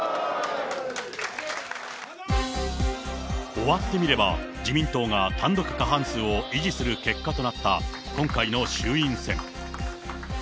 終わってみれば、自民党が単独過半数を維持する結果となった今回の衆院選。